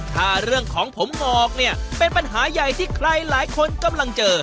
ถ้าเรื่องของผมงอกเนี่ยเป็นปัญหาใหญ่ที่ใครหลายคนกำลังเจอ